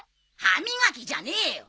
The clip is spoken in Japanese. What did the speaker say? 歯磨きじゃねえよ！